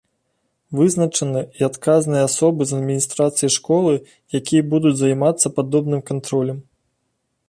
Вызначаны і адказныя асобы з адміністрацыі школы, якія будуць займацца падобным кантролем.